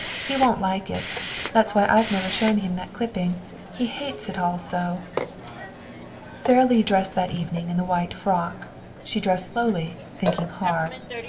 "He won't like it. That's why I've never showed him that clipping. He hates it all so." Sara Lee dressed that evening in the white frock. She dressed slowly, thinking hard.